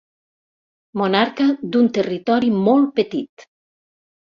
Monarca d'un territori molt petit.